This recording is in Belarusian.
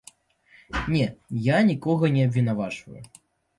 Не, я нікога не абвінавачваю.